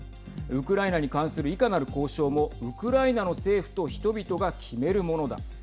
ウクライナに関するいかなる交渉もウクライナの政府と人々が決めるものだ。